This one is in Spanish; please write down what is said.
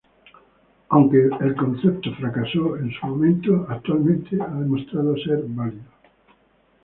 Aunque el concepto fracasó en su momento, actualmente ha demostrado ser válido.